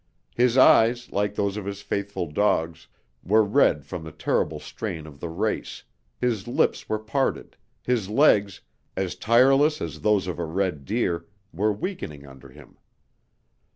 His eyes, like those of his faithful dogs, were red from the terrible strain of the race, his lips were parted, his legs, as tireless as those of a red deer, were weakening under him.